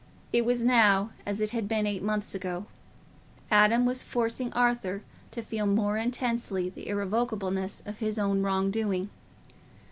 It was now as it had been eight months ago—Adam was forcing Arthur to feel more intensely the irrevocableness of his own wrong doing.